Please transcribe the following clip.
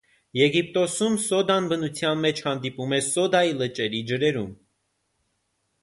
Եգիպտոսում սոդան բնության մեջ հանդիպում է սոդայի լճերի ջրերում։